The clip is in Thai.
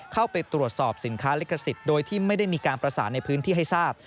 เข้าไปตรวจสอบสินค้าลิขสิทธิ์โดยที่ไม่ได้มีการประสานในพื้นที่ให้ทราบ